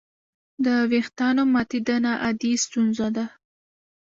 د وېښتیانو ماتېدنه عادي ستونزه ده.